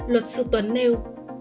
luật sư tuấn nêu